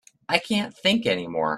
I can't think any more.